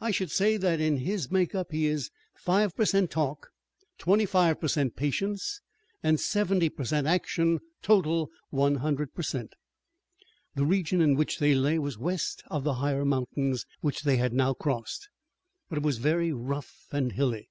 I should say that in his make up he is five per cent talk, twenty five per cent patience and seventy per cent action; total, one hundred per cent." The region in which they lay was west of the higher mountains, which they had now crossed, but it was very rough and hilly.